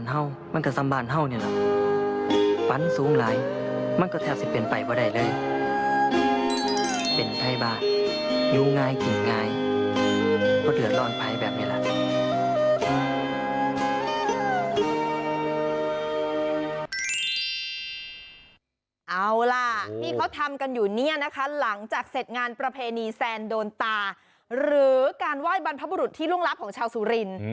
เอาล่ะที่เขาทำกันอยู่เนี่ยนะคะหลังจากเสร็จงานประเพณีแซนโดนตาหรือการไหว้บรรพบุรุษที่ล่วงลับของชาวสุริน